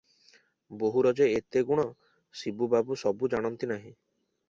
ବୋହୂର ଯେ ଏତେ ଗୁଣ, ଶିବୁ ବାବୁ ସବୁ ଜାଣନ୍ତି ନାହିଁ ।